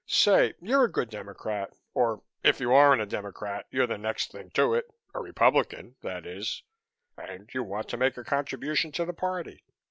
Say, you're a good Democrat or if you aren't a Democrat you're the next thing to it, a Republican that is, and you want to make a contribution to the Party.